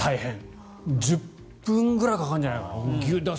１０分ぐらいかかるんじゃないかな。